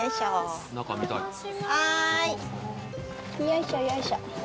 よいしょよいしょ。